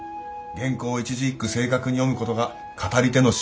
原稿を一字一句正確に読む事が語り手の仕事です。